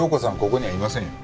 ここにはいませんよ。